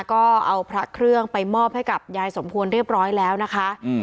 ก็เอาพระเครื่องไปมอบให้กับยายสมควรเรียบร้อยแล้วนะคะ